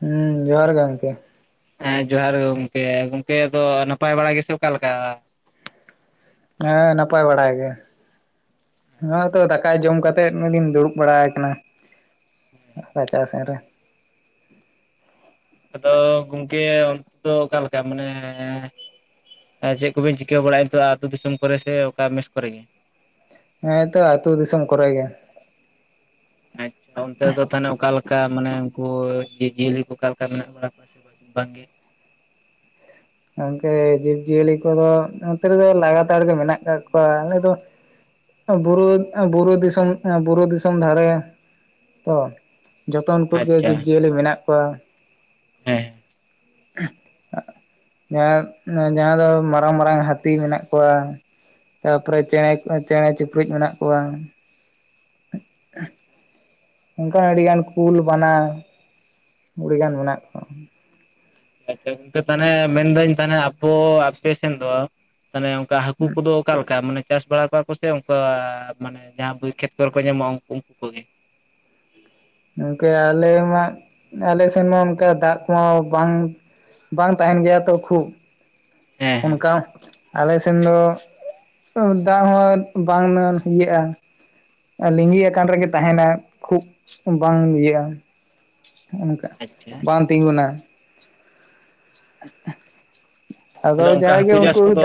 ᱦᱮᱸ ᱡᱚᱦᱟᱨ ᱜᱮ ᱜᱚᱝᱠᱮ᱾ ᱦᱮᱸ ᱡᱚᱦᱟᱨ ᱜᱮ ᱜᱚᱝᱠᱮ᱾ ᱜᱚᱝᱠᱮ ᱟᱫᱚ ᱱᱟᱯᱟᱭ ᱵᱟᱲᱟ ᱜᱮᱥᱮ ᱚᱠᱟ ᱞᱮᱠᱟ? ᱦᱮᱸ ᱱᱟᱯᱟᱭ ᱵᱟᱲᱟ ᱜᱮ᱾ ᱱᱚᱜ- ᱚᱭ ᱟᱪᱪᱷᱟ ᱛᱚ ᱫᱟᱠᱟ ᱡᱚᱢ ᱠᱟᱛᱮᱫ ᱱᱚᱰᱤᱧ ᱫᱩᱲᱩᱵ ᱵᱟᱲᱟᱭ ᱠᱟᱱᱟ ᱦᱮᱸ ᱨᱟᱪᱟ ᱥᱮᱱ ᱨᱮ᱾ ᱟᱫᱚ ᱜᱚᱝᱠᱮ ᱚᱱᱛᱮ ᱫᱚ ᱚᱠᱟ ᱞᱮᱠᱟ ᱢᱟᱱᱮ? ᱪᱮᱜ ᱠᱚᱵᱮᱱ ᱪᱤᱠᱟᱹ ᱵᱟᱲᱟᱭ ᱫᱚ ᱟᱹᱛᱩ ᱫᱤᱥᱚᱢ ᱠᱚᱨᱮ ᱥᱮ ᱚᱠᱟ ᱢᱮᱥ ᱠᱚᱨᱮ ᱜᱮ? ᱦᱮᱸ ᱛᱚ ᱟᱹᱛᱩ ᱫᱤᱥᱚᱢ ᱠᱚᱨᱮ ᱜᱮ ᱟᱪᱪᱷᱟ ᱚᱱᱛᱮ ᱫᱚ ᱛᱟᱦᱚᱞᱮ ᱚᱠᱟᱞᱮᱠᱟ ᱢᱟᱱᱮ ᱩᱝᱠᱩ ᱡᱤᱵᱽ-ᱡᱤᱭᱟᱹᱞᱤ ᱠᱩ ᱚᱠᱟ ᱞᱮᱠᱟ ᱢᱮᱱᱟᱜ ᱵᱟᱲᱟ ᱠᱚᱣᱟ [unintelligible] ᱵᱟᱝ ᱜᱮ ᱜᱚᱝᱠᱮ ᱡᱤᱵᱽᱼᱡᱤᱭᱟᱹᱞᱤ ᱠᱚᱫᱚ ᱱᱚᱛᱮ ᱨᱮᱫᱚ ᱞᱟᱜᱟᱛᱟᱲ ᱜᱮ ᱢᱮᱱᱟᱜ ᱠᱟᱜ ᱠᱚᱣᱟ ᱟᱞᱮ ᱫᱚ ᱵᱩᱨᱩ, ᱵᱩᱨᱩ ᱫᱤᱥᱚᱢ, ᱵᱩᱨᱩ ᱫᱤᱥᱚᱢ ᱫᱷᱟᱨᱮ ᱛᱚ ᱡᱚᱛᱚᱢ ᱢᱤᱫ ᱜᱮ ᱟᱪᱪᱷᱟ ᱡᱤᱵᱽ-ᱡᱤᱭᱟᱹᱞᱤ ᱢᱮᱱᱟᱜ ᱠᱚᱣᱟ᱾ ᱦᱮᱸ ᱡᱟᱦᱟᱸ ᱫᱚ ᱢᱟᱨᱟᱝ ᱢᱟᱨᱟᱝ ᱦᱟᱹᱛᱤ ᱢᱮᱱᱟᱜ ᱠᱚᱣᱟ ᱛᱟᱯᱚᱨᱮ ᱪᱮᱬᱮ, ᱪᱮᱬᱮ ᱪᱩᱯᱨᱩᱡ ᱢᱮᱱᱟᱜ ᱠᱚᱣᱟ᱾ ᱚᱱᱠᱟ ᱟᱹᱰᱤᱜᱟᱱ ᱠᱩᱞ ᱵᱟᱱᱟ ᱟᱹᱰᱤᱜᱟᱱ ᱢᱮᱱᱟᱜ ᱠᱚᱣᱟ᱾ ᱟᱪᱪᱷᱟ ᱜᱚᱝᱠᱮ ᱛᱟᱦᱚᱞᱮ ᱢᱮᱱᱫᱟᱹᱧ ᱛᱟᱦᱚᱞᱮ ᱟᱯᱮ ᱥᱮᱱ ᱫᱚ ᱛᱟᱦᱚᱞᱮ ᱚᱱᱠᱟ ᱦᱟᱹᱠᱩ ᱠᱩᱫᱚ ᱚᱠᱟ ᱞᱮᱠᱟ ᱢᱟᱱᱮ ᱪᱟᱥ ᱵᱟᱲᱟ ᱠᱚᱣᱟ ᱠᱩ ᱥᱮ, ᱚᱝᱠᱟ ᱢᱟᱱᱮ ᱡᱟᱦᱟᱸ ᱠᱷᱮᱛ ᱠᱚᱨᱮ ᱠᱚ ᱧᱟᱢᱚᱜᱼᱟ ᱩᱝᱠᱩ ᱩᱝᱠᱩ ᱠᱚᱜᱮ᱾ ᱜᱚᱝᱠᱮ ᱟᱞᱮ ᱢᱟ, ᱟᱞᱮ ᱥᱮᱱ ᱢᱟ ᱚᱱᱠᱟ ᱫᱟᱜ ᱠᱚᱢᱟ ᱵᱟᱝ ᱵᱟᱝ ᱛᱟᱦᱮᱱ ᱜᱮᱭᱟ ᱛᱚ ᱠᱷᱩᱵ ᱦᱮᱸ ᱦᱮᱸ ᱚᱱᱠᱟ ᱟᱞᱮ ᱥᱮᱱ ᱫᱚ ᱫᱟᱜ ᱦᱚᱸ ᱵᱟᱝ ᱤᱭᱟᱹᱜᱼᱟ᱾ ᱞᱤᱸᱜᱤᱭᱟᱠᱟᱱ ᱨᱮᱜᱮ ᱛᱟᱦᱮᱱᱟ ᱠᱷᱩᱵ ᱵᱟᱝ ᱤᱭᱟᱹᱜᱼᱟ ᱾ ᱱᱚᱝᱠᱟ ᱟᱪᱪᱷᱟ ᱵᱟᱝ ᱛᱤᱸᱜᱩᱱᱟ ᱟᱸᱦ ᱟᱸᱦ [unintelligible] ᱛᱟᱦᱚᱞᱮ ᱚᱱᱠᱟ ᱦᱟᱹᱠᱩ ᱪᱟᱥ ᱠᱚᱫᱚ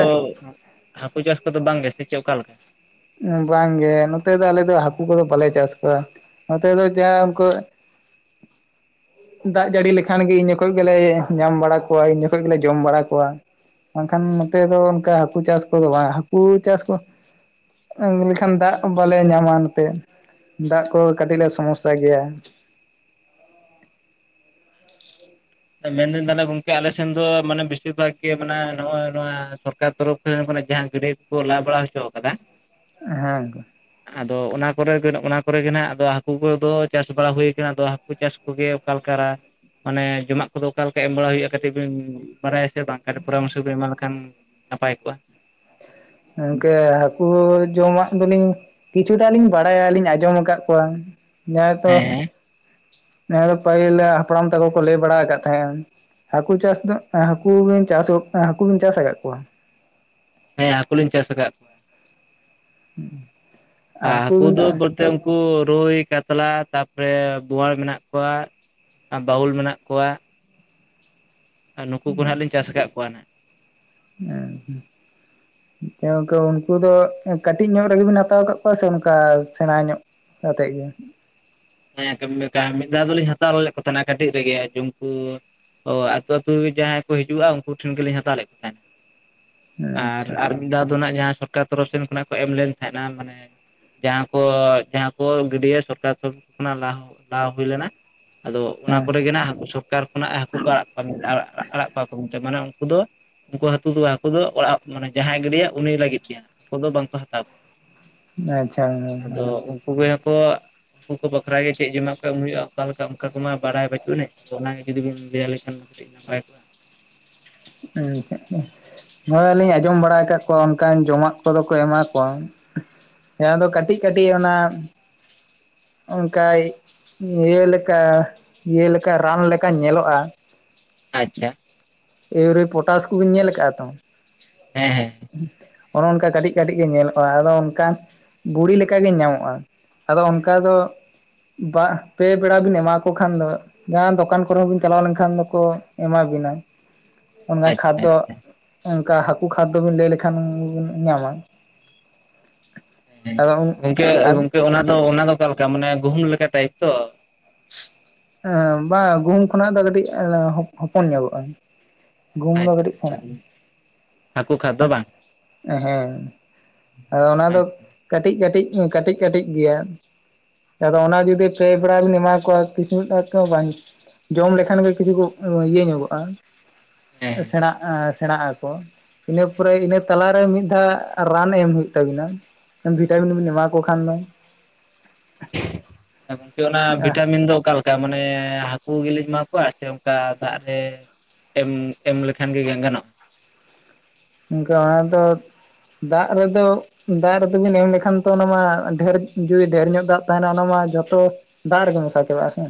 ᱦᱟᱹᱠᱩ ᱪᱟᱥ ᱠᱚᱫᱚ ᱵᱟᱝ ᱜᱮ ᱥᱮ ᱪᱮᱫ ᱚᱠᱟ ᱞᱮᱠᱟ? ᱵᱟᱝᱜᱮ ᱱᱚᱛᱮ ᱫᱚ ᱟᱞᱮ ᱫᱚ ᱦᱟᱹᱠᱩ ᱠᱚᱫᱚ ᱵᱟᱞᱮ ᱪᱟᱥ ᱠᱚᱣᱟ ᱾ ᱱᱚᱛᱮ ᱫᱚ ᱡᱟ ᱩᱱᱠᱩ [inaudible] ᱫᱟᱜ ᱡᱟᱹᱲᱤ ᱞᱮᱠᱷᱟᱱ ᱜᱮ ᱤᱱ ᱡᱚᱠᱷᱚᱡ ᱜᱮᱞᱮ ᱧᱟᱢ ᱵᱟᱲᱟ ᱠᱚᱣᱟ ᱤᱱ ᱡᱚᱠᱷᱚᱡ ᱜᱮᱞᱮ ᱡᱚᱢ ᱵᱟᱲᱟ ᱠᱚᱣᱟ ᱵᱟᱝᱠᱷᱟᱱ ᱱᱚᱛᱮ ᱫᱚ ᱚᱱᱠᱟ ᱦᱟᱹᱠᱩ ᱪᱟᱥ ᱠᱚᱫᱚ ᱵᱟᱝ ᱦᱟᱹᱠᱩ ᱪᱟᱥ ᱠᱚ ᱞᱮᱠᱷᱟᱱ ᱫᱟᱜ ᱵᱟᱞᱮ ᱧᱟᱢᱟ ᱱᱚᱛᱮ ᱫᱟᱜ ᱠᱩ ᱠᱟᱹᱴᱤᱡ ᱞᱮ ᱥᱚᱢᱚᱥᱥᱟ ᱜᱮᱭᱟ ᱾ ᱢᱮᱱᱫᱟᱹᱧ ᱛᱟᱦᱚᱞᱮ ᱜᱚᱝᱠᱮ ᱟᱞᱮ ᱥᱮᱱ ᱫᱚ ᱢᱟᱱᱮ ᱵᱮᱥᱤᱨ ᱵᱷᱟᱜᱽ ᱜᱮ ᱢᱟᱱᱮ ᱱᱚᱜᱼᱚᱭ ᱱᱚᱣᱟ ᱥᱚᱨ ᱥᱚᱨᱠᱟᱨ ᱛᱚᱨᱚᱯᱷ ᱠᱷᱚᱱ ᱡᱟᱦᱟᱸ ᱜᱟᱹᱰᱭᱟᱹ ᱠᱚᱠᱚ ᱞᱟ ᱵᱟᱲᱟ ᱦᱚᱪᱚ ᱟᱠᱟᱫᱟ ᱾ ᱦᱮᱸ ᱟᱫᱚ ᱚᱱᱟ ᱠᱚᱨᱮ ᱜᱮ ᱚᱱᱟ ᱠᱚᱨᱮ ᱜᱮ ᱱᱟᱦᱟᱜ ᱟᱫᱚ ᱦᱟᱹᱠᱩ ᱠᱚᱫᱚ ᱪᱟᱥ ᱵᱟᱲᱟ ᱦᱩᱭ ᱠᱟᱱᱟ ᱟᱫᱚ ᱦᱟᱹᱠᱩ ᱪᱟᱥ ᱠᱚᱜᱮ ᱚᱠᱟᱞ ᱠᱟᱨᱟ ᱢᱟᱱᱮ ᱡᱚᱢᱟᱜ ᱠᱚᱫᱚ ᱚᱠᱟ ᱞᱮᱠᱟ ᱮᱢ ᱵᱟᱲᱟ ᱦᱩᱭᱩᱜᱼᱟ ᱠᱟᱹᱴᱤᱡ ᱵᱤᱱ ᱵᱟᱲᱟᱭᱟ ᱥᱮ ᱵᱟᱝ ᱠᱟᱹᱴᱤᱡ ᱯᱚᱨᱟᱢᱚᱨᱥᱚ ᱵᱤᱱ ᱮᱢᱟ ᱞᱮᱠᱷᱟᱱ ᱱᱟᱯᱟᱭ ᱠᱚᱜᱼᱟ ᱾ ᱜᱚᱝᱠᱮ ᱦᱟᱹᱠᱩ ᱡᱚᱢᱟᱜ ᱫᱚᱞᱤᱧ ᱠᱤᱪᱷᱩᱴᱟ ᱞᱤᱧ ᱵᱟᱲᱟᱭᱟ ᱞᱤᱧ ᱟᱸᱡᱚᱢ ᱟᱠᱟᱫ ᱠᱚᱣᱟ ᱡᱟᱦᱟᱸ ᱛᱚ ᱦᱮᱸ ᱱᱮ ᱯᱟᱹᱦᱤᱞ ᱦᱟᱯᱲᱟᱢ ᱛᱟᱠᱚ ᱠᱚ ᱞᱟᱹᱭ ᱵᱟᱲᱟ ᱟᱠᱟᱫ ᱛᱟᱦᱮᱸᱱ ᱦᱟᱠᱩ ᱪᱟᱥ ᱫᱚ ᱦᱟᱠᱩ ᱵᱤᱱ ᱪᱟᱥ ᱦᱟᱠᱩ ᱵᱤᱱ ᱪᱟᱥ ᱟᱠᱟᱫ ᱠᱚᱣᱟ ᱦᱮᱸ ᱦᱟᱹᱠᱩ ᱞᱤᱧ ᱪᱟᱥ ᱟᱠᱟᱫ ᱠᱚᱣᱟ ᱟᱨ ᱦᱟᱹᱠᱩ ᱫᱚ ᱩᱱᱠᱩ ᱨᱩᱭ ᱠᱟᱛᱞᱟ ᱛᱟᱨᱯᱚᱨᱮ ᱵᱳᱣᱟᱲ ᱢᱮᱱᱟᱜ ᱠᱚᱣᱟ ᱾ ᱵᱟᱹᱣᱩᱞ ᱢᱮᱱᱟᱜ ᱠᱚᱣᱟ ᱾ ᱟᱨ ᱱᱩᱠᱩ ᱠᱚ ᱦᱟᱸᱜ ᱞᱤᱧ ᱪᱟᱥ ᱟᱠᱟᱫ ᱠᱚᱣᱟ ᱱᱟᱜ ᱾ ᱦᱮᱸ ᱦᱮᱸ ᱜᱚᱝᱠᱮ ᱩᱱᱠᱩ ᱫᱚ ᱠᱟᱹᱴᱤᱡ ᱧᱚᱜ ᱨᱮᱜᱮᱵᱱ ᱦᱟᱛᱟᱣ ᱠᱟᱜ ᱠᱚᱣᱟ ᱥᱮ ᱚᱱᱠᱟ ᱥᱮᱬᱟ ᱧᱚᱜ ᱠᱟᱛᱮᱜ ᱜᱮ ᱦᱮᱸ ᱢᱤᱫ ᱫᱷᱟᱣ ᱫᱚᱞᱤᱧ ᱦᱟᱛᱟᱣ ᱞᱮᱫ ᱠᱚ ᱛᱟᱦᱮᱱᱟ ᱠᱟᱹᱴᱤᱡ ᱨᱮᱜᱮ ᱡᱩᱚᱢ ᱠᱩ ᱚᱛ ᱟᱹᱛᱩ ᱡᱟᱦᱟᱸᱭ ᱠᱚ ᱦᱤᱡᱩᱜᱼᱟ ᱩᱱᱠᱩ ᱴᱷᱮᱱ ᱜᱮᱞᱤᱧ ᱦᱟᱛᱟᱣ ᱞᱮᱫ ᱠᱚ ᱛᱟᱦᱮᱱᱟ ᱟᱪᱪᱷᱟ ᱟᱨ ᱫᱟᱣ ᱫᱚ ᱱᱟᱜ ᱡᱟᱦᱟᱸ ᱥᱚᱨᱠᱟᱨ ᱛᱚᱨᱚᱯᱷ ᱥᱮᱱ ᱠᱷᱚᱱᱟᱜ ᱠᱚ ᱮᱢ ᱞᱮᱱ ᱛᱟᱦᱮᱸᱱᱟ ᱢᱟᱱᱮ ᱡᱟᱦᱟᱸ ᱠᱚ ᱡᱟᱦᱟᱸ ᱠᱚ ᱜᱟᱹᱰᱭᱟᱹ ᱥᱚᱨᱠᱟᱨ ᱠᱷᱚᱱ ᱚᱱᱟ ᱞᱟ ᱞᱟ ᱦᱩᱭ ᱞᱮᱱᱟ ᱟᱫᱚ ᱚᱱᱟ ᱠᱚᱨᱮ ᱦᱮᱸ ᱜᱮ ᱱᱟᱦᱟᱜ ᱦᱟᱹᱠᱩ ᱥᱚᱵ ᱥᱚᱨᱠᱟᱨ ᱠᱷᱚᱱᱟᱜ ᱦᱟᱹᱠᱩ ᱠᱚ ᱟᱲᱟᱜ ᱠᱚᱣᱟ ᱟᱲᱟᱜ ᱠᱚᱣᱟ ᱠᱚ ᱢᱮᱱ ᱢᱟᱱᱮ ᱩᱱᱠᱩ ᱫᱚ ᱩᱱᱠᱩ ᱦᱟᱠᱩ ᱫᱚ ᱦᱟᱠᱩ ᱫᱚ ᱚᱲᱟᱜ ᱢᱟᱱᱮ ᱡᱟᱦᱟᱸᱭ ᱜᱤᱰᱤᱭᱟ ᱩᱱᱤ ᱞᱟᱹᱜᱤᱫ ᱜᱮ ᱦᱟᱠᱩ ᱫᱚ ᱵᱟᱝᱠᱚ ᱦᱟᱛᱟᱣ ᱠᱚᱣᱟ ᱟᱪᱷᱟ ᱾ [unintelligible] ᱵᱜᱮ ᱦᱚᱸᱠᱚ [inaudible] ᱩᱱᱠᱩ ᱠᱚ ᱵᱟᱠᱷᱨᱟ ᱜᱮ ᱪᱮᱫ ᱡᱚᱢᱟᱜ ᱠᱚ ᱮᱢ ᱦᱩᱭᱩᱜᱼᱟ ᱚᱠᱟ ᱞᱮᱠᱟ ᱚᱱᱠᱟ ᱠᱚᱢᱟ ᱵᱟᱲᱟᱭ ᱵᱟᱟᱹᱩᱜᱱᱤᱡ ᱟᱫᱚ ᱚᱱᱟᱜᱮ ᱡᱩᱫᱤ ᱵᱤᱱ ᱞᱟᱹᱭ ᱞᱮ ᱠᱷᱟᱱ ᱠᱟᱹᱴᱤᱡ ᱱᱟᱯᱟᱭ ᱠᱚᱜᱼᱟ ᱾ ᱦ [inaudible] ᱦᱳᱭ ᱞᱤᱧ ᱟᱸᱡᱚᱢ ᱵᱟᱲᱟ ᱟᱠᱟᱫ ᱠᱚᱣᱟ ᱚᱱᱠᱟᱱ ᱡᱚᱢᱟᱜ ᱠᱚᱫᱚ ᱠᱚ ᱮᱢᱟ ᱠᱚᱣᱟ ᱾ ᱦᱮᱸ ᱟᱫᱚ ᱠᱟᱹᱴᱤᱡ ᱠᱟᱹᱴᱤᱡ ᱚᱱᱟ ᱾ ᱚᱱᱠᱟ ᱤᱭᱟᱹ ᱞᱮᱠᱟ ᱤᱭᱟᱹ ᱞᱮᱠᱟ ᱨᱟᱱ ᱞᱮᱠᱟ ᱧᱮᱞᱚᱜᱼᱟ ᱾ ᱟᱪᱷᱟ ᱾ ᱭᱩᱨᱤ ᱯᱚᱴᱟᱥ ᱠᱚᱵᱤᱱ ᱧᱮᱞ ᱟᱠᱟᱫᱼᱟ ᱛᱚ ᱾ ᱦᱮᱸ ᱦᱮᱸ ᱚᱱᱮ ᱚᱱᱠᱟ ᱠᱟᱹᱴᱤᱡ ᱠᱟᱹᱴᱤᱡ ᱜᱮ ᱧᱮᱞᱚᱜᱼᱟ ᱟᱫᱚ ᱚᱱᱠ ᱜᱩᱲᱤ ᱞᱮᱠᱟ ᱜᱮ ᱧᱟᱢᱚᱜᱼᱟ ᱾ ᱟᱫᱚ ᱚᱱᱠᱟ ᱫᱚ ᱵᱟ ᱯᱮ ᱯᱮᱲᱟ ᱵᱤᱱ ᱮᱢᱟᱠᱚ ᱠᱷᱟᱱ ᱫᱚ ᱡᱟᱦᱟᱸ ᱫᱚᱠᱟᱱ ᱠᱚᱨᱮ ᱦᱚᱸ ᱵᱤᱱ ᱪᱟᱞᱟᱣ ᱞᱮᱱᱠᱷᱟᱱ ᱫᱚᱠᱚ ᱮᱢᱟ ᱵᱤᱱᱟ ᱾ ᱚᱱᱠᱟ ᱟᱪᱪᱷᱟ ᱠᱷᱟᱫᱽᱫᱚ ᱟᱪᱪᱷᱟ ᱚᱱᱠᱟ ᱦᱟᱹᱠᱩ ᱠᱷᱟᱫᱽ ᱫᱚᱵᱤᱱ ᱞᱟᱹᱭ ᱞᱮᱠᱷᱟᱱ ᱵᱤᱱ ᱧᱟᱢᱟ ᱟᱫᱚ ᱜᱚᱝᱠᱮ ᱟᱨ ᱜᱚᱝᱠᱮ ᱚᱱᱟ ᱫᱚ ᱚᱱᱟ ᱫᱚ ᱚᱠᱟᱞᱮᱠᱟ ᱢᱟᱱᱮ ᱜᱩᱦᱩᱢ ᱞᱮᱠᱟ ᱴᱟᱭᱤᱯ ᱛᱚ ᱵᱟᱸᱜ ᱜᱩᱦᱩᱢ ᱠᱷᱚᱱᱟᱜ ᱫᱚ ᱠᱟᱹᱴᱤᱡ ᱦᱚᱯᱚᱱ ᱧᱚᱜᱚᱜᱼᱟ ᱜᱩᱦᱩᱢ ᱫᱚ ᱟᱪᱪᱷᱟ ᱠᱟᱹᱴᱤᱡ ᱟᱪᱪᱷᱟ ᱥᱮᱬᱟᱜᱟᱹ ᱦᱟᱹᱠᱩ ᱠᱷᱟᱫᱽᱫᱚ ᱵᱟᱝ ᱦᱮᱸ ᱟᱫᱚ ᱚᱱᱟ ᱫᱚ ᱟᱪᱪᱷᱟ ᱠᱟᱹᱴᱤᱡ ᱠᱟᱹᱴᱤᱡ ᱠᱟᱹᱴᱤᱡ ᱠᱟᱹᱴᱤᱡ ᱜᱮᱭᱟ ᱟᱫᱚ ᱚᱱᱟ ᱡᱩᱫᱤ ᱯᱮ ᱵᱮᱲᱟ ᱵᱮᱱ ᱮᱢᱟ ᱠᱚᱣᱟ ᱠᱤᱥ ᱛᱮᱚᱸ ᱵᱟᱝ ᱡᱚᱢ ᱞᱮᱠᱷᱟᱱ ᱜᱮ ᱠᱤᱪᱷᱩ ᱠᱚ ᱤᱭᱟᱹ ᱧᱚᱜᱚᱜᱼᱟ ᱦᱮᱸ ᱥᱮᱬᱟᱜ ᱥᱮᱬᱟᱜ ᱟᱠ ᱤᱱᱟᱹ ᱯᱚᱨᱮ ᱤᱱᱟᱹ ᱛᱟᱞᱟᱨᱮ ᱢᱤᱫ ᱫᱷᱟᱣ ᱨᱟᱱ ᱮᱢ ᱦᱩᱭᱩᱜ ᱛᱟᱵᱤᱱᱟ ᱵᱷᱤᱴᱟᱢᱤᱱ ᱵᱮᱱ ᱮᱢᱟ ᱠᱚ ᱠᱷᱟᱱ ᱫᱚ ᱜᱚᱝᱠᱮ ᱚᱱᱟ ᱵᱷᱤᱴᱟᱢᱤᱱ ᱫᱚ ᱚᱠᱟᱞᱮᱠᱟ ᱛᱟ ᱢᱟᱱᱮ ᱦᱟᱹᱠᱩ ᱜᱮᱞᱤᱧ ᱮᱢᱟ ᱠᱚᱣᱟ ᱥᱮ ᱚᱱᱠᱟ ᱫᱟᱜ ᱨᱮ ᱮᱢ ᱮᱢ ᱞᱮᱠᱷᱟᱱ ᱜᱮ ᱜᱟᱱᱚᱜᱼᱟ ᱜᱟᱣᱟᱸ ᱫᱚ ᱫᱟᱜ ᱨᱮᱫᱚ ᱫᱟᱜ ᱨᱮᱫᱚᱵᱤᱱ ᱮᱢ ᱞᱮᱠᱷᱟᱱ ᱛᱚ ᱚᱱᱟ ᱢᱟ ᱰᱷᱮᱨ ᱡᱩᱫᱤ ᱰᱷᱮᱨ ᱧᱚᱜ ᱫᱟᱜ ᱛᱟᱦᱮᱱᱟ ᱚᱱᱟ ᱢᱟ ᱡᱷᱚᱛᱚ ᱫᱟᱜ ᱨᱮᱜᱮ ᱢᱮᱥᱟ ᱪᱟᱵᱟ ᱟᱥᱮ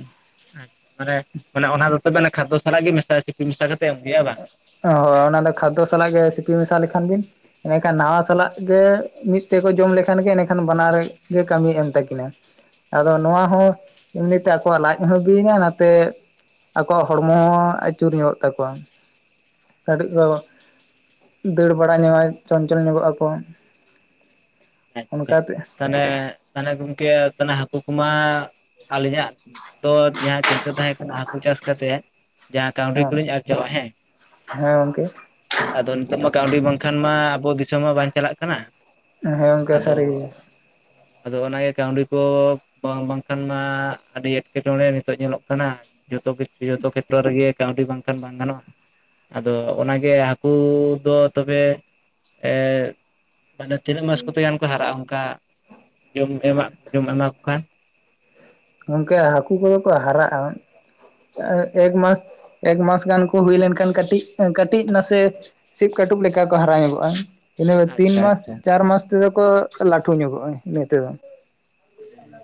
ᱢᱟᱱᱮ ᱢᱟᱱᱮ ᱚᱱᱟ ᱫᱚ ᱛᱚᱵᱮ ᱠᱷᱟᱫ ᱥᱟᱞᱟᱜ ᱜᱮ ᱢᱮᱥᱟᱭ ᱥᱤᱯᱤ ᱢᱮᱥᱟ ᱠᱟᱛᱮ ᱮᱢ ᱦᱩᱭᱩᱜᱟ ᱵᱟᱝ ᱚ ᱚᱱᱟ ᱫᱚ ᱠᱷᱟᱫᱽᱫᱚ ᱥᱟᱞᱟᱜ ᱜᱮ ᱥᱤᱯᱤ ᱢᱮᱥᱟ ᱞᱮᱠᱷᱟᱱ ᱵᱤᱱ ᱮᱸ ᱮᱱᱟ. ᱠᱷᱟᱱ ᱱᱟᱣᱟ ᱥᱟᱞᱟᱜ ᱜᱮ ᱢᱤᱫ ᱛᱮᱠᱚ ᱡᱚᱢ ᱞᱮᱠᱷᱟᱱ ᱜᱮ ᱮᱱᱟ. ᱠᱷᱟᱱ ᱵᱟᱱᱟᱨ ᱜᱮ ᱠᱟᱹᱢᱤ ᱮᱢ ᱛᱟᱹᱠᱤᱱᱟ [inaudible] ᱟᱫᱚ ᱱᱚᱣᱟ ᱦᱚᱸ ᱮᱢᱱᱤ ᱛᱮ ᱟᱠᱚᱣᱟᱜ ᱞᱟᱡ ᱦᱚᱸ ᱵᱤ ᱮᱱᱟ ᱱᱷᱟᱛᱮ ᱟᱠᱚᱣᱟᱜ ᱦᱚᱲᱢᱚ ᱦᱚᱸ ᱟᱹᱪᱩᱨ ᱧᱚᱜ ᱛᱟᱠᱚᱣᱟ ᱠᱟᱹᱴᱤᱡ ᱫᱚ ᱫᱟᱹᱲ ᱵᱟᱲᱟ ᱧᱚᱜ ᱟᱭ ᱪᱚᱧᱪᱚᱞ ᱧᱚᱜᱚᱜ ᱟᱠᱚ᱾ ᱟᱪᱪᱷᱟ ᱚᱱᱠᱟᱛᱮ ᱛᱟᱦᱚᱞᱮ ᱛᱟᱦᱚᱞᱮ ᱜᱚᱢᱠᱮ ᱛᱟᱦᱚᱞᱮ ᱦᱟᱹᱠᱩ ᱠᱚᱢᱟ ᱟᱹᱞᱤᱧᱟᱜ ᱛᱚ ᱡᱟᱦᱟᱸ ᱪᱤᱱᱛᱟᱹ ᱛᱟᱦᱮᱸ ᱠᱟᱱᱟ ᱦᱟᱹᱠᱩ ᱪᱟᱥ ᱠᱟᱛᱮᱜ ᱡᱟᱦᱟᱸ ᱠᱟᱹᱣᱰᱤ ᱦᱮᱸ ᱠᱚᱞᱤᱧ ᱟᱨᱡᱟᱣᱟ ᱦᱮᱸ ᱦᱮᱸ ᱜᱚᱝᱠᱮ ᱟᱫᱚ ᱱᱤᱛᱚᱜ ᱢᱟ ᱠᱟᱹᱣᱰᱤ ᱵᱟᱝᱠᱷᱟᱱ ᱢᱟ ᱟᱵᱚ ᱫᱤᱥᱚᱢ ᱦᱚ ᱵᱟᱝ ᱪᱟᱞᱟᱜ ᱠᱟᱱᱟ᱾ ᱦᱮᱸ ᱜᱚᱝᱠᱮ ᱥᱟ. ᱟᱫᱚ ᱨᱤ ᱜᱮ ᱟᱫᱚ ᱚᱱᱟᱜᱮ ᱠᱟᱹᱣᱰᱤ ᱠᱚ ᱵᱟᱝ ᱵᱟᱝᱠᱷᱟᱱ ᱢᱟ ᱟᱹᱰᱤ ᱮᱴᱠᱮᱴᱚᱬᱮ ᱱᱤᱛᱚᱜ ᱧᱮᱞᱚᱜ ᱠᱟᱱᱟ᱾ ᱡᱚᱛᱚ ᱠᱤᱪᱷᱩ ᱡᱚᱛᱚ ᱠᱷᱮᱛᱨᱚ ᱨᱮᱜᱮ ᱠᱟᱹᱣᱰᱤ ᱵᱟᱝᱠᱷᱟᱱ ᱵᱟᱝ ᱜᱟᱱᱚᱜ-ᱟ᱾ ᱟᱫᱚ ᱚᱱᱟᱜᱮ ᱦᱟᱹᱠᱩ ᱫᱚ ᱛᱚᱵᱮ ᱮ... ᱢᱟᱱᱮ ᱛᱤᱱᱟᱹᱜ ᱢᱟᱥ ᱠᱚᱛᱮ ᱜᱟᱱ ᱠᱚ ᱦᱟᱨᱟᱜ-ᱟ ᱚᱱᱠᱟ ᱡᱚᱢ ᱮᱢᱢᱟ ᱡᱚᱢ ᱮᱢᱟᱠᱚ ᱠᱷᱟᱱ ᱜᱚᱝᱠᱮ ᱦᱟᱹᱠᱩ ᱠᱚᱫᱚ ᱠᱚ ᱦᱟᱨᱟᱜ-ᱟ᱾ ᱮᱠᱢᱟᱥ ᱮᱠᱢᱟᱥ ᱜᱟᱱ ᱠᱚ ᱦᱩᱭ ᱞᱮᱱᱠᱷᱟᱱ ᱠᱟᱹᱴᱤᱡ ᱠᱟᱹᱴᱤᱡ ᱱᱟᱥᱮ ᱥᱤᱵ ᱠᱟᱹᱴᱩᱵ ᱞᱮᱠᱟ ᱠᱚ, ᱦᱟᱨᱟ ᱧᱚᱜᱚᱜᱼᱟ ᱾ ᱤᱱᱟᱹ ᱛᱤᱱ ᱟᱪᱪᱷᱟ ᱢᱟᱥ, ᱟᱪᱪᱷᱟ ᱪᱟᱨ ᱢᱟᱥ ᱛᱮᱫᱚ ᱠᱚ, ᱞᱟᱹᱴᱩ ᱧᱚᱜᱚᱜᱼᱟ ᱾ ᱤᱱᱟᱹ ᱛᱮᱫᱚ ᱾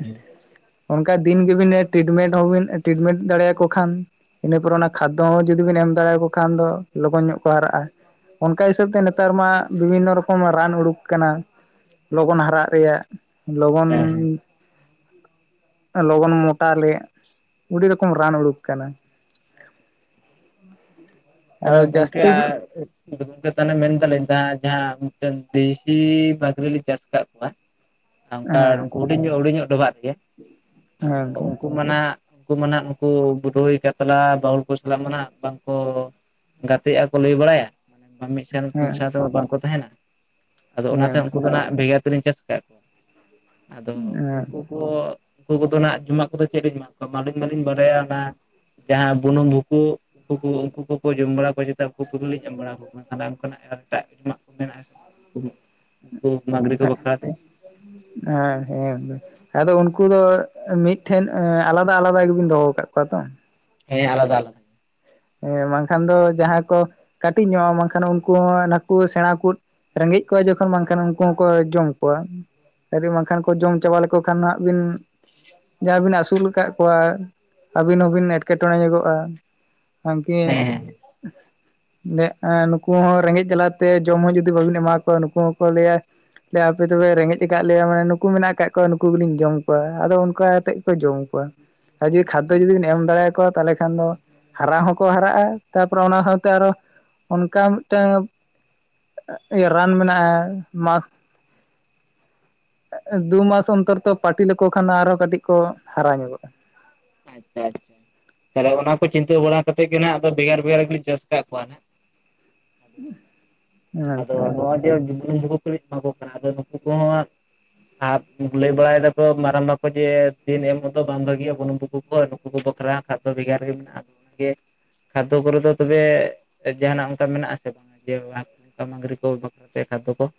ᱦᱮᱸ ᱚᱱᱠᱟ ᱫᱤᱱ ᱜᱮᱵᱤᱱ, ᱴᱤᱴᱢᱮᱱᱴ ᱦᱚᱸᱵᱤᱱ, ᱴᱤᱴᱢᱮᱱᱴ ᱫᱟᱲᱮᱭᱟᱠᱚ ᱠᱷᱟᱱ ᱤᱱᱟᱹ ᱯᱚᱨᱮ, ᱚᱱᱟ ᱠᱷᱟᱫᱚ ᱦᱚᱸ ᱡᱩᱫᱤ, ᱵᱮᱱ ᱮᱢ ᱫᱟᱲᱮᱭᱟ ᱠᱚ ᱠᱷᱟᱱ ᱫᱚ, ᱞᱚᱜᱚᱱ ᱧᱚᱜ ᱠᱚ ᱦᱟᱨᱟᱜᱼᱟ᱾ ᱾ ᱚᱱᱠᱟ ᱦᱤᱥᱟᱹᱵ ᱛᱮ, ᱱᱮᱛᱟᱨ ᱢᱟ, ᱵᱤᱵᱷᱤᱱᱚ ᱨᱚᱠᱚᱢ ᱨᱟᱱ, ᱩᱰᱩᱠ ᱟᱠᱟᱱᱟ ᱞᱚᱜᱚᱱ ᱦᱟᱨᱟᱜ ᱨᱮᱭᱟᱜ ᱾ ᱞᱚᱜᱚᱱ ᱦᱮᱸ ᱞᱚᱜᱚᱱ ᱢᱚᱴᱟᱜ ᱞᱮᱭᱟᱜ, ᱚᱰᱤ ᱨᱚᱠᱚᱢ ᱨᱟᱱ ᱩᱰᱩᱠ ᱟᱠᱟᱱᱟ ᱾ ᱛᱟᱦᱚᱞᱮ, ᱟᱫᱚ ᱜᱚᱢᱠᱮ ᱡᱟᱹᱥᱛᱤ ᱟᱨ [unintelligible] ᱠᱚᱣᱟ [unintelligible] ᱦᱮᱸ ᱚᱱᱠᱟ ᱩᱱᱠᱩ ᱦᱩᱰᱤᱧ ᱧᱚᱜ, ᱦᱩᱰᱤᱧ ᱧᱚᱜ ᱰᱚᱵᱷᱟᱜ ᱛᱮ, ᱜᱮ ᱦᱮᱸ ᱟᱫᱚ ᱜᱚᱝᱠᱮ ᱩᱱᱠᱩ [inaudible] ᱢᱟ ᱱᱟᱜ, ᱩᱱᱠᱩ ᱢᱟ [unintelligible] ᱱᱟᱦᱱᱟᱜ ᱱᱩᱠᱩ ᱵᱩ ᱨᱩᱭ ᱠᱟᱛᱞᱟ ᱵᱟᱹᱦᱩᱞ ᱠᱚ ᱥᱟᱞᱟᱜ ᱢᱟ ᱱᱟᱜ ᱵᱟᱝ ᱠᱚ [unintelligible] ᱜᱟᱛᱮᱜᱼᱟ ᱠᱚ ᱞᱟᱹᱭ ᱵᱟᱲᱟᱭᱟ, ᱢᱟᱱᱮ ᱢᱤᱫ ᱴᱷᱮᱱ, ᱢᱤᱫ ᱦᱮᱸ ᱥᱟᱶ ᱛᱮᱦᱚᱸ ᱵᱟᱝᱠᱚ ᱛᱟᱦᱮᱱᱟ ᱾ ᱟᱫᱚ ᱚᱱᱟᱛᱮ ᱦᱮᱸ ᱩᱱᱠᱩ ᱫᱚ ᱦᱟᱸᱜ, ᱵᱷᱮᱜᱟᱨ ᱛᱮᱞᱤᱧ ᱪᱟᱥ ᱟᱠᱟᱫ ᱠᱚᱣᱟ ᱾ ᱟᱫᱚ ᱩᱱᱠᱩ ᱩᱱ [unintelligible] ᱩᱱᱠᱩ ᱠᱚ ᱫᱚ, ᱱᱟᱜ ᱡᱚᱢᱟᱜ ᱠᱚᱫᱚ ᱪᱮᱫ? ᱞᱤᱧ ᱮᱢᱟ ᱠᱚᱣᱟ, ᱟᱹᱞᱤᱧ ᱢᱟᱞᱤᱧ ᱵᱟᱰᱟᱭᱟ ᱾ ᱚᱱᱟ [unintelligible] ᱡᱟᱦᱟᱸ ᱵᱩᱱᱩᱢ ᱵᱷᱩᱠᱩ, [inaudible] ᱩᱱᱠᱩ ᱩᱱᱠᱩ ᱠᱚ ᱾ ᱠᱚ ᱡᱚᱢ ᱵᱟᱲᱟ ᱠᱚᱣᱟ, ᱡᱟᱛᱮ ᱩᱱᱠᱩ ᱠᱚᱞᱤᱧ ᱮᱢ ᱵᱟᱲᱟ ᱟᱠ ᱠᱟᱱᱟ ᱾ ᱛᱟᱦᱮ ᱚᱱᱠᱟᱱᱟᱜ ᱟᱨ ᱮᱴᱟᱜ ᱡᱚᱢᱟᱜ ᱠᱚ ᱢᱮᱱᱟᱜᱼᱟ ᱾ ᱥᱮ? [unintelligible] [inaudible] ᱢᱟᱜᱨᱤ ᱠᱚ ᱵᱟᱠᱷᱨᱟ ᱛᱮ ᱾ ᱦᱮᱸ ᱦᱮᱸ, ᱫᱚ ᱾ ᱟᱫᱚ ᱩᱱᱠᱩ ᱫᱚ, ᱢᱤᱫ ᱴᱷᱮᱱ ᱟᱞᱟᱫᱟ ᱟᱞᱟᱫᱟ ᱜᱮᱵᱤᱱ ᱫᱚᱦᱚ, ᱟᱠᱟᱫ ᱠᱚᱣᱟ ᱛᱚ ᱾ ᱦᱮᱸ, ᱟᱞᱟᱫᱟ ᱟᱞᱟᱫᱟ ᱾ ᱦᱮᱸ ᱵᱟᱝᱠᱷᱟᱱ ᱫᱚ ᱡᱟᱦᱟᱸᱭ ᱠᱚ, ᱠᱟᱹᱴᱤᱡ ᱧᱚᱜᱼᱟ ᱾ ᱵᱟᱝᱠᱷᱟᱱ ᱩᱱᱠᱩ ᱦᱚᱸ, ᱱᱟᱠᱩ ᱥᱮᱬᱟ ᱠᱩᱫ ᱨᱮᱸᱜᱮᱡ ᱠᱚᱣᱟ ᱡᱚᱠᱷᱚᱱ, ᱵᱟᱝᱠᱷᱟᱱ, ᱩᱱᱠᱩ ᱦᱚᱸᱠᱚ ᱡᱚᱢ ᱠᱚᱣᱟ ᱾ ᱣᱨᱤ, ᱵᱟᱝᱠᱷᱟᱱ ᱠᱚ, ᱡᱚᱢ ᱪᱟᱵᱟ ᱞᱮᱠᱚ ᱠᱷᱟᱱ ᱦᱟᱸᱜ ᱾ ᱵᱤᱱ ᱡᱟᱦᱟᱸ ᱵᱤᱱ ᱟᱹᱥᱩᱞ ᱟᱠᱟᱫ ᱠᱚᱣᱟ ᱾ ᱟᱹᱵᱤᱱ ᱦᱚᱸᱵᱤᱱ, ᱮᱴᱠᱮᱴᱚᱬᱮ ᱧᱚᱜᱚᱜᱼᱟ ᱾ [unintelligible] ᱦᱮᱸ ᱱᱮᱜ, ᱱᱩᱠᱩ ᱦᱚᱸ ᱨᱮᱸᱜᱮᱡ ᱡᱟᱞᱟ ᱛᱮ, ᱡᱚᱢ ᱦᱚᱸ ᱡᱩᱫᱤ, ᱵᱟᱵᱤᱱ ᱮᱢᱟ ᱠᱚᱣᱟ ᱾ ᱱᱩᱠᱩ ᱦᱚᱸᱠᱚ ᱞᱟᱹᱭᱟ ᱦᱟᱯᱮ ᱛᱚᱵᱮ, ᱨᱮᱸᱜᱮᱡ ᱟᱠᱟᱫ ᱞᱮᱭᱟ, ᱢᱟᱱᱮ ᱱᱩᱠᱩ ᱢᱮᱱᱟᱜ ᱟᱠᱟᱫ ᱠᱚᱣᱟ ᱾ ᱱᱩᱠᱩ ᱜᱮᱞᱤᱧ ᱡᱚᱢ ᱠᱚᱣᱟ ᱾ ᱟᱫᱚ ᱚᱱᱠᱟ ᱠᱟᱛᱮᱫ ᱠᱚ ᱡᱚᱢ ᱠᱚᱣᱟ ᱾ ᱡᱩᱫᱤ ᱠᱷᱟᱫᱽᱫᱚ ᱟᱪᱪᱷᱟ ᱡᱩᱫᱤᱢ, ᱮᱢ ᱫᱟᱲᱮᱭᱟ ᱠᱚᱣᱟ ᱾ ᱛᱟᱦᱚᱞᱮ ᱠᱷᱟᱱ ᱫᱚ, ᱦᱟᱨᱟ ᱦᱚᱸᱠᱚ ᱦᱟᱨᱟᱜᱼᱟ ᱾ ᱛᱟᱯᱚᱨᱮ ᱚᱱᱟ ᱦᱚᱭ ᱛᱚ, ᱥᱟᱶᱛᱮ ᱟᱨᱚ, ᱚᱱᱠᱟ ᱢᱤᱫᱴᱟᱝ ᱤᱭᱟᱹ ᱨᱟᱱ ᱢᱮᱱᱟᱜᱼᱟ ᱾ ᱢᱟᱥᱠ ᱫᱩ ᱢᱟᱥ ᱚᱱᱛᱚᱨ ᱛᱚ, ᱯᱟᱹᱴᱤ ᱞᱮᱠᱚ ᱠᱷᱟᱱ ᱟᱨᱦᱚ ᱠᱟᱹᱴᱤᱡ ᱠᱚ, ᱦᱟᱨᱟ ᱧᱚᱜᱚᱜᱼᱟ ᱾ ᱟᱪᱪᱷᱟ, ᱛᱟᱦᱚᱞᱮ ᱚᱱᱟ ᱠᱚ ᱪᱤᱱᱛᱟᱹ ᱵᱟᱲᱟ ᱠᱟᱛᱮᱫ ᱜᱮ, ᱱᱟᱜ ᱟᱫᱚ ᱵᱷᱮᱜᱟᱨ ᱵᱷᱮᱜᱟᱨ ᱜᱮᱞᱤᱧ ᱪᱟᱥ ᱟᱠᱟᱫ ᱠᱚᱣᱟ, ᱦᱟᱸᱜ ᱾ [unintelligible] ᱟᱫᱚ ᱱᱚᱜᱼᱚᱭ ᱡᱮᱩᱢᱠᱚ ᱠᱷᱞᱤᱧ ᱮᱢᱟ ᱠᱚ ᱠᱟᱱᱟ ᱟᱫᱚ ᱱᱩᱠᱩ ᱠᱚᱦᱚᱸ [unintelligible] ᱟᱨ ᱞᱟᱹᱭ ᱵᱟᱲᱟᱭ ᱫᱟᱠᱚ ᱢᱟᱨᱟᱝ ᱵᱟᱠᱚ ᱡᱮ ᱫᱤᱱ ᱮᱢ ᱢᱚᱛᱚ ᱵᱟᱝ ᱵᱷᱟᱹᱜᱤᱼᱟ ᱜᱚᱱᱩ [unintelligible] ᱵᱷᱟᱜᱮᱭᱟ ᱩᱱᱠᱩ ᱠᱚ ᱵᱟᱠᱷᱨᱟ ᱠᱷᱟᱫᱽᱫᱚ [unintelligible] ᱵᱷᱮᱜᱟᱨ ᱜᱮ ᱢᱮᱱᱟᱜᱼᱟ ᱟᱫᱚ ᱚᱱᱟᱜᱮ ᱟᱛᱳ ᱠᱚᱨᱮ ᱫᱚ ᱛᱚᱵᱮ ᱡᱟᱦᱱᱟᱜ ᱚᱱᱠᱟ ᱢᱮᱱᱟᱜ ᱟᱥᱮ ᱵᱟᱝ ᱡᱮ ᱠᱟ ᱢᱜᱨᱤ ᱠᱚ ᱵᱟᱠᱷᱨᱟᱛᱮ ᱠᱷᱟᱫ ᱠᱚ [unintelligible]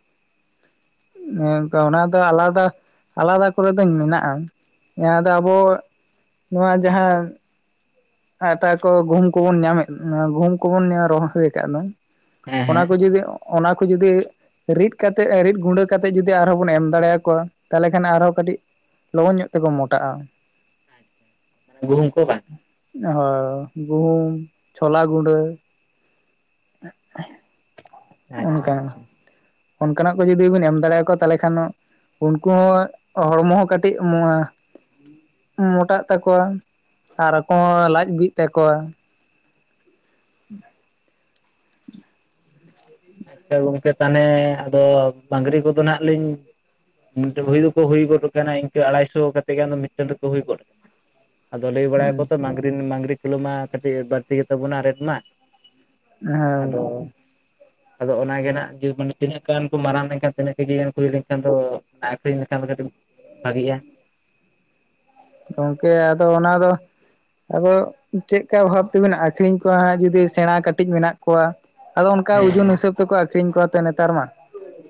ᱮᱸ ᱚᱱᱟ ᱫᱚ ᱟᱞᱟᱫᱟ ᱟᱞᱟᱫᱟ ᱠᱚᱨᱮ ᱫᱚ ᱢᱮᱱᱟᱜᱼᱟ ᱾ ᱱᱤᱭᱟ. ᱫᱚ ᱟᱵᱚ ᱱᱚᱣᱟ ᱡᱟᱦᱟᱸ ᱟᱴᱟ ᱠᱚ ᱜᱩᱦᱩᱢ ᱠᱚᱵᱚᱱ ᱧᱟᱢᱮᱫ ᱜᱩᱦᱩᱢ ᱠᱚᱵᱚᱱ ᱧᱟᱢ ᱨᱚᱦᱚᱭ ᱟᱠᱟᱫ ᱫᱚ ᱦᱮᱸ ᱚᱱᱟ ᱦᱮᱸ ᱠᱚ ᱡᱩᱫᱤ ᱚᱱᱟ ᱠᱚ ᱡᱩᱫᱤ ᱨᱤᱫ ᱠᱟᱛᱮ ᱨᱤᱫ ᱜᱩᱸᱰᱟᱹ ᱠᱟᱛᱮᱫ ᱡᱩᱫᱤ ᱟᱨᱦᱚᱸ ᱵᱚᱱ ᱮᱢ ᱫᱟᱲᱮᱭᱟᱠᱚᱣᱟ ᱛᱟᱦᱚᱞᱮ ᱠᱷᱟᱱ ᱟᱨᱦᱚᱸ ᱠᱟᱹᱴᱤᱡ ᱞᱚᱜᱚᱱ ᱧᱚᱜ ᱛᱮᱠᱚ ᱢᱚᱴᱟᱜᱼᱟ ᱾ ᱟᱪᱪᱷᱟ ᱢᱟᱱᱮ ᱜᱩᱦᱩᱢ ᱠᱚ ᱵᱟᱝ ᱦᱳᱭ ᱜᱩᱦᱩᱢ ᱪᱷᱚᱞᱟ ᱜᱩᱰᱟᱹ ᱟᱪᱪᱷᱟ ᱚᱱᱠᱟ ᱟᱪᱪᱷᱟ ᱚᱱᱠᱟᱱᱟᱜ ᱠᱚ ᱡᱩᱚᱫᱤ ᱵᱤᱱ ᱮᱢ ᱫᱟᱲᱮᱭᱟᱠᱚ ᱛᱟᱦᱚᱞᱮ ᱠᱷᱟᱱ ᱩᱱᱠᱩ ᱦᱚᱸ ᱦᱚᱲᱢᱚ ᱦᱚᱸ ᱠᱟᱹᱴᱤᱡ ᱢᱚᱸᱣ ᱢᱚᱴᱟᱜ ᱛᱟᱠᱚᱣᱟ ᱟᱨ ᱟᱠᱚ ᱦᱚᱸ ᱞᱟᱡ ᱵᱤᱜ ᱛᱟᱠᱚᱣᱟ ᱟᱪᱪᱷᱟ ᱜᱚᱝᱠᱮ ᱛᱟᱦᱚᱞᱮ ᱟᱫᱚ ᱢᱟᱝᱽᱨᱤ ᱠᱚᱫᱚ ᱦᱟᱜ ᱞᱤᱧ ᱢᱤᱫᱴᱮᱱ ᱵᱷᱟᱹᱭ ᱫᱚᱠᱚ ᱦᱩᱭ ᱜᱚᱫ ᱟᱠᱟᱱᱟ ᱤᱱᱠᱟᱹ ᱟᱲᱟᱭᱥᱚ ᱠᱟᱛᱮ ᱜᱮ ᱫᱚ ᱢᱤᱫᱴᱮᱱ ᱫᱚᱠᱚ ᱦᱩᱭ ᱜᱚᱫ ᱟᱠᱟᱱᱟ ᱟᱫᱚ ᱞᱟᱹᱭ ᱵᱟᱲᱟᱭᱟᱠᱚ ᱦᱮᱸ ᱛᱚ ᱢᱟᱜᱽᱨᱤ ᱢᱟᱝᱜᱽᱨᱤ ᱠᱤᱞᱳ ᱢᱟ ᱠᱟᱹᱴᱤᱡ ᱵᱟᱹᱲᱛᱤ ᱜᱮᱛᱟ ᱵᱚᱱᱟ ᱨᱮᱴ ᱢᱟ ᱦᱮᱸ ᱜᱚᱢᱠᱮ ᱟᱫᱚ ᱟᱫᱚ ᱚᱱᱟ ᱜᱤᱱᱟᱜᱜ ᱢᱟᱱᱮ ᱛᱤᱱᱟᱹᱜ ᱜᱟᱱ ᱠᱚ ᱢᱟᱨᱟᱝ ᱞᱮᱱᱠᱷᱟᱱ ᱛᱤᱱᱟᱹᱜ ᱠᱮᱡᱤ ᱜᱟᱱ ᱠᱩ ᱦᱩᱭᱤ ᱞᱮᱱᱠᱷᱟᱱ ᱫᱚ ᱟᱹᱠᱷᱨᱤᱧ ᱞᱮᱠᱷᱟᱱ ᱫᱚ ᱠᱟᱹᱴᱤᱡ ᱵᱷᱟᱹᱜᱤᱜᱼᱟ ᱾ ᱜᱚᱢᱠᱮ ᱟᱫᱚ ᱚᱱᱟ ᱫᱚ ᱟᱫᱚ ᱪᱮᱫ ᱞᱮᱠᱟ ᱵᱷᱟᱵ ᱛᱮᱵᱤᱱ ᱟᱠᱷᱨᱤᱧ ᱠᱚᱣᱟ ᱦᱟᱜ ᱡᱚᱫᱤ ᱥᱮᱬᱟ ᱠᱟᱴᱤᱡ ᱢᱮᱱᱟᱜ ᱠᱚᱣᱟ ᱟᱫᱚ ᱚᱱᱠᱟ ᱳᱡᱩᱱ ᱦᱮᱸ ᱦᱤᱥᱟᱹᱵ ᱛᱮᱠᱚ ᱟᱠᱷᱨᱤᱧ ᱠᱚᱣᱟ ᱱᱮᱛᱟᱨ ᱢᱟ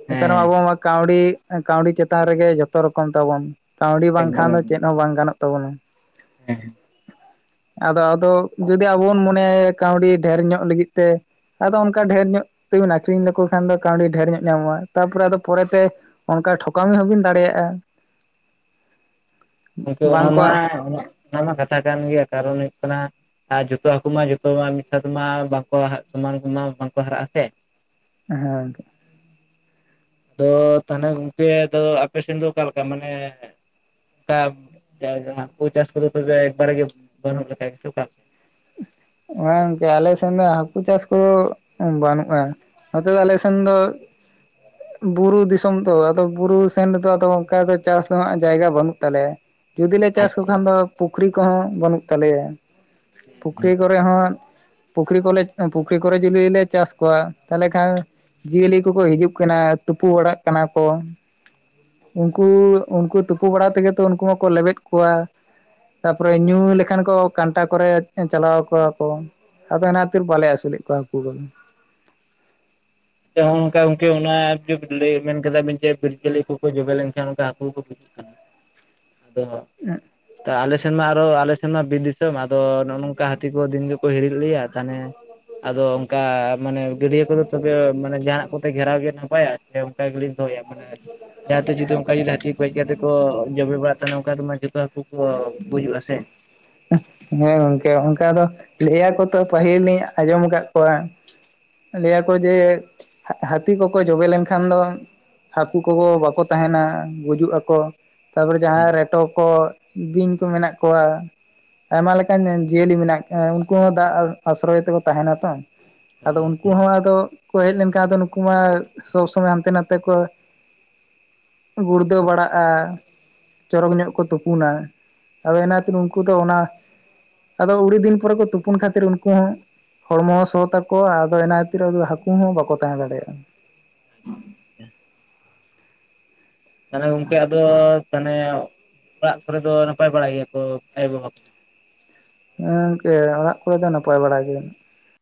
ᱱᱮᱛᱟᱨ ᱢᱟ ᱦᱮᱸ ᱟᱵᱚ ᱢᱟ ᱠᱟᱹᱣᱰᱤ ᱠᱟᱹᱣᱰᱤ ᱪᱮᱛᱟᱱ ᱨᱮᱜᱮ ᱡᱚᱛᱚ ᱨᱚᱠᱚᱢ ᱛᱟᱵᱚᱱ ᱠᱟᱹᱣᱰᱤ ᱵᱟᱝᱠᱷᱟᱱ ᱮᱠᱫᱚᱢ ᱫᱚ ᱪᱮᱫ ᱦᱚᱸ ᱵᱟᱝ ᱜᱟᱱᱚᱜ ᱛᱟᱵᱚᱱᱟ ᱦᱮᱸ ᱟᱫᱚ ᱟᱫᱚ ᱡᱩᱚᱫᱤ ᱟᱵᱚ ᱵᱚᱱ ᱢᱚᱱᱮᱭᱟ ᱠᱟᱹᱣᱰᱤ ᱰᱷᱮᱨ ᱧᱚᱜ ᱞᱟᱹᱜᱤᱫ ᱛᱮ ᱟᱫᱚ ᱚᱱᱠᱟ ᱰᱷᱮᱨ ᱧᱚᱜ ᱛᱮᱜᱮ ᱵᱤᱱ ᱟᱠᱷᱟᱹᱨᱤᱧ ᱫᱚ ᱠᱟᱹᱣᱰᱤ ᱰᱷᱮᱨ ᱧᱚᱜ ᱧᱟᱢᱚᱜᱼᱟ ᱛᱟᱨᱯᱚᱨᱮ ᱯᱚᱨᱮᱛᱮ ᱚᱱᱠᱟ ᱴᱷᱚᱠᱟᱢᱤ ᱦᱚᱸᱵᱤᱱ ᱫᱟᱲᱮᱭᱟᱜᱼᱟ ᱾ ᱜᱚᱢᱠᱮ ᱵᱟᱝ ᱚᱱᱟ ᱠᱚ ᱢᱟ ᱚᱱᱟ ᱢᱟ ᱠᱟᱛᱷᱟ ᱠᱟᱱ ᱜᱮᱭᱟ ᱠᱟᱨᱚᱱ ᱦᱩᱭᱩᱜ ᱠᱟᱱᱟ ᱟᱨ ᱡᱚᱛᱚ ᱦᱟᱹᱠᱩ ᱢᱟ ᱡᱚᱛᱚ ᱢᱟ ᱢᱤᱫᱥᱟᱶ ᱢᱟ ᱵᱟᱝᱠᱚ ᱥᱚᱢᱟᱱᱢᱟ ᱵᱟᱝᱠᱚ ᱦᱟᱨᱟᱜ ᱟᱥᱮ ᱦᱮᱸ ᱟᱫᱚ ᱛᱟᱦᱚᱞᱮ ᱜᱚᱝᱠᱮ ᱟᱫᱚ ᱟᱯᱮᱥᱮᱱ ᱫᱚ ᱚᱠᱟᱞᱮᱠᱟ ᱢᱟᱱᱮ [unintelligible] ᱦᱟᱹᱠᱩ ᱪᱟᱥ ᱛᱚᱵᱮ ᱮᱠᱵᱟᱨᱮ ᱜᱮ ᱵᱟᱱᱩᱜ [unintelligible] ᱦᱚᱜ-ᱚᱭ ᱜᱚᱝᱠᱮ ᱟᱞᱮ ᱥᱮᱫ ᱫᱚ ᱦᱟᱹᱠᱩ ᱪᱟᱥ ᱠᱚ ᱵᱟᱹᱱᱩᱜ-ᱟ ᱾ ᱟᱫᱚ ᱟᱞᱮ ᱥᱮᱱ ᱫᱚ [inaudible] ᱵᱩᱨᱩ ᱫᱤᱥᱚᱢ ᱫᱚ ᱟᱫᱚ ᱵᱩᱨᱩ ᱥᱮᱱ ᱨᱮ ᱫᱚ ᱚᱱᱠᱟ ᱪᱟᱥ ᱨᱮᱱᱟᱜ ᱡᱟᱭᱜᱟ ᱵᱟᱹᱱᱩᱜ ᱛᱟᱞᱮᱭᱟ ᱾ ᱡᱩᱫᱤ ᱞᱮ ᱪᱟᱥ ᱠᱚ ᱟᱪᱪᱷᱟ ᱠᱷᱟᱱ ᱫᱚ ᱟᱪᱪᱷᱟ ᱯᱩᱠᱷᱨᱤ ᱠᱚᱦᱚᱸ ᱵᱟᱹᱱᱩᱜ ᱛᱟᱞᱮᱭᱟ ᱾ [inaudible] ᱠᱚᱨᱮ ᱦᱚᱸ ᱯᱩᱠᱷᱨᱤ ᱠᱚᱞᱮ ᱯᱩᱠᱷᱨᱤ ᱠᱚᱨᱮ ᱡᱩᱫᱤ ᱞᱮ ᱪᱟᱥ ᱠᱚᱣᱟ ᱛᱟᱦᱚᱞᱮ ᱠᱷᱟᱱ ᱡᱤᱭᱟᱹᱞᱤ ᱠᱚᱠᱚ ᱦᱤᱡᱩᱜ ᱠᱟᱱᱟ ᱛᱩᱯᱩ ᱵᱟᱲᱟᱜ ᱠᱟᱱᱟ ᱠᱚ ᱾ ᱩᱱᱠᱩ ᱩᱱᱠᱩ ᱛᱩᱯᱩ ᱵᱟᱲᱟ ᱛᱮᱜᱮ ᱛᱚ ᱩᱱᱠᱩ ᱢᱟᱠᱚ ᱞᱮᱵᱮᱫ ᱠᱚᱣᱟ ᱾ ᱛᱟᱯᱚᱨᱮ ᱧᱩ ᱞᱮᱠᱷᱟᱱ ᱠᱚ ᱠᱟᱱᱴᱟ ᱠᱚᱨᱮ ᱪᱟᱞᱟᱣ ᱠᱚᱣᱟ ᱠᱚ ᱟᱫᱚ ᱚᱱᱟ ᱠᱷᱟᱹᱛᱤᱨ ᱵᱟᱞᱮ ᱟᱹᱥᱩᱞᱮᱫ ᱠᱚᱣᱟ ᱦᱟᱹᱠᱩ ᱵᱟᱞᱮ ᱦᱚᱸ ᱚᱱᱠᱟ ᱠᱮ ᱚᱱᱟ ᱜᱚᱝᱠᱮ ᱡᱟᱹᱭ ᱠᱟᱫᱟᱵᱤᱱ ᱡᱮ ᱵᱤᱨᱡᱤᱭᱟᱹᱞᱤ ᱠᱚᱠᱚ ᱡᱚᱵᱮ ᱞᱮᱱᱠᱷᱟᱱ ᱚᱱᱠᱟ ᱦᱟᱹᱠᱩ ᱠᱚ ᱟᱫᱚ [unintelligible] ᱛᱟ ᱟᱞᱮ ᱥᱮᱱ ᱢᱟ ᱟᱨᱚ ᱟᱞᱮ ᱥᱮᱱ ᱢᱟ ᱵᱤᱨ ᱫᱤᱥᱚᱢ ᱟᱫᱚ ᱱᱚᱜ-ᱚ ᱱᱚᱝᱠᱟ ᱦᱟᱹᱛᱤ ᱠᱚ ᱫᱤᱱ ᱠᱚ ᱦᱤᱨᱤᱡ ᱞᱮᱭᱟ ᱛᱟᱦᱚᱞᱮ ᱟᱫᱚ ᱚᱱᱠᱟ ᱢᱟᱱᱮ ᱜᱟᱹᱰᱭᱟᱹ ᱠᱚᱫᱚ ᱢᱟᱱᱮ ᱡᱟᱦᱟᱱᱟᱜ ᱠᱚᱛᱮ ᱜᱷᱮᱨᱟᱣ ᱜᱮ ᱱᱟᱯᱟᱭᱟ ᱥᱮ ᱚᱱᱠᱟ ᱜᱮᱞᱤᱧ ᱫᱚᱦᱚᱭᱟ ᱢᱟᱱᱮ ᱡᱟᱦᱟᱸ ᱡᱩᱫᱤ ᱚᱱᱠᱟ ᱦᱟᱹᱛᱤ ᱠᱚ ᱦᱮᱡ ᱠᱟᱛᱮ ᱠᱚ ᱡᱚᱵᱮ ᱵᱟᱲᱟᱜ ᱛᱟᱦᱮᱱᱟ ᱚᱱᱠᱟᱢᱟ ᱡᱚᱛᱚ ᱦᱟᱹᱠᱩ ᱚ ᱵᱩᱡᱩᱜ ᱟᱥᱮ ᱦᱮᱸ ᱜᱚᱝᱠᱮ ᱚᱱᱠᱟ ᱫᱚ ᱞᱟᱹᱭᱟ ᱠᱚ ᱛᱚ ᱯᱟᱹᱦᱤᱞ ᱞᱤᱧ ᱟᱸᱡᱚᱢ ᱟᱠᱟᱫ ᱠᱚᱣᱟ ᱞᱟᱹᱭᱟ ᱠᱚ ᱡᱮ ᱦᱟᱹᱛᱤ ᱠᱚᱠᱚ ᱡᱚᱵᱮ ᱞᱮᱱᱠᱷᱟᱱ ᱫᱚ ᱦᱟᱹᱠᱩ ᱠᱚᱦᱚ ᱵᱟᱠᱚ ᱛᱟᱦᱮᱱᱟ ᱜᱩᱡᱩᱜ ᱟᱠᱚ ᱛᱟᱨᱯᱚᱨᱮ ᱡᱟᱦᱟᱸᱭ ᱨᱮᱴᱚ ᱠᱚ ᱵᱤᱧ ᱠᱚ ᱢᱮᱱᱟᱜ ᱠᱚᱣᱟ ᱟᱭᱢᱟ ᱞᱮᱠᱟᱱ ᱡᱤᱭᱟᱹᱞᱤ ᱢᱮᱱᱟᱜ ᱠᱟᱣᱟ ᱩᱱᱠᱩ ᱦᱚᱸ ᱫᱟᱜ ᱟᱥᱨᱚᱭ ᱛᱮᱠᱚ ᱛᱟᱦᱮᱱᱟ ᱛᱚ ᱟᱫᱚ ᱩᱱᱠᱩ ᱦᱚᱸ ᱟᱫᱚ ᱠᱚ ᱦᱮᱡ ᱞᱮᱱᱠᱷᱟᱱ ᱱᱩᱠᱩ ᱢᱟ ᱥᱚᱵ ᱥᱚᱢᱚᱭ ᱦᱟᱱᱛᱮ ᱱᱟᱛᱮ ᱠᱚ ᱜᱩᱲᱫᱟᱹ ᱵᱟᱲᱟᱜ-ᱟ ᱪᱚᱨᱚᱠ ᱧᱚᱜ ᱠᱚ ᱛᱩᱯᱩᱱᱟ ᱚᱱᱟᱛᱮ ᱩᱱᱠᱩ ᱫᱚ ᱚᱱᱟ ᱟᱫᱚ ᱩᱲᱤ ᱫᱤᱱ ᱯᱚᱨᱮ ᱠᱚ ᱛᱩᱯᱩᱱ ᱠᱷᱟᱹᱛᱤᱨ ᱩᱱᱠᱩ ᱦᱚᱸ ᱦᱚᱲᱢᱚ ᱦᱚᱸ ᱥᱚ ᱛᱟᱠᱚᱣᱟ ᱟᱫᱚ ᱚᱱᱟ ᱠᱷᱟᱹᱛᱤᱨ ᱦᱟᱹᱠᱩ ᱦᱚᱸ ᱵᱟᱠᱚ ᱛᱟᱦᱮᱸ ᱫᱟᱲᱮᱭᱟᱜ-ᱟ [unintelligible] ᱛᱟᱦᱚᱞᱮ ᱜᱚᱝᱠᱮ ᱟᱫᱚ ᱛᱟᱱᱮ ᱚᱲᱟᱜ ᱠᱚᱨᱮ ᱫᱚ ᱱᱟᱯᱟᱭ ᱵᱟᱲᱟᱟᱭ ᱜᱮᱭᱟ ᱠᱚ ᱟᱭᱳ ᱵᱟᱵᱟ ᱠᱚ ᱦᱮ ᱜᱚᱝᱠᱮ ᱚᱲᱟᱜ ᱠᱚᱨᱮ ᱫᱚ ᱱᱟᱯᱟᱭ ᱵᱟᱲᱟ ᱜᱮ